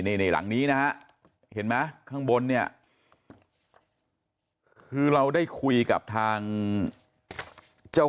นี่หลังนี้นะฮะเห็นไหมข้างบนเนี่ยคือเราได้คุยกับทางเจ้า